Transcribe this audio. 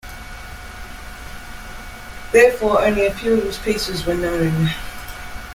Therefore, only a few of his pieces were known.